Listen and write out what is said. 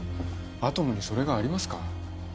アトムにそれがありますか？